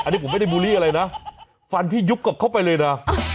อันนี้ผมไม่ได้บูลลี่อะไรนะฟันพี่ยุบกับเข้าไปเลยนะ